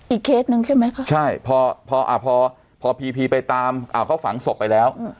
เคสหนึ่งใช่ไหมคะใช่พอพอพีพีไปตามเขาฝังศพไปแล้ว